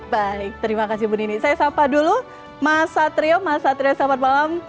baik terima kasih bu nini saya sapa dulu mas satrio mas satrio selamat malam